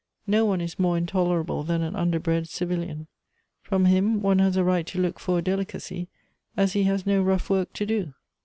"No one is more intolerable than an underbred civil ian. From him one has a right to look for a delicacy, as he has no rough work to do.